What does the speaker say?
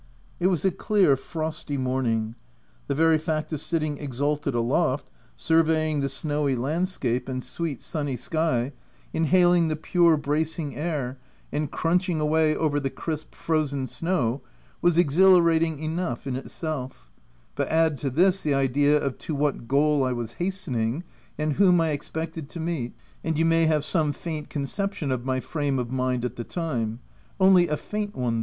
It was a clear, frosty morning. The very fact of sitting exalted aloft, surveying the snowy landscape and sweet, sunny sky, inhaling the pure, bracing air, and crunching away over the crisp, frozen snow, was exhilarating enough in itself; but add to this the idea of to what goal I was hastening, and whom I expected to meet, and you may have some faint conception of my frame of mind at the time — only a faint one OF WILDFELL HALL.